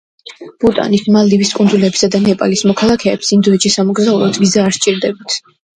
ბუტანის, მალდივის კუნძულებისა და ნეპალის მოქალაქეებს ინდოეთში სამოგზაუროდ ვიზა არ სჭირდებათ.